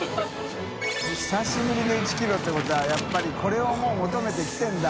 久しぶりの１ｋｇ」ってことはやっぱり海譴もう求めて来てるんだ。